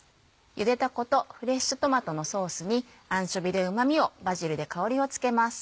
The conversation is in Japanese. ゆでだことフレッシュトマトのソースにアンチョビーでうま味をバジルで香りをつけます。